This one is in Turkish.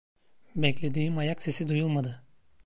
Beklediğim ayak sesi duyulmadı.